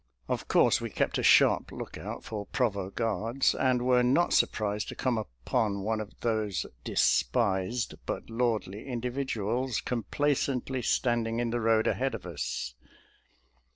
Of course we kept a sharp lookout for provost guards, and were not surprised to come upon one of those despised but lordly individuals, complacently standing in the road ahead of us.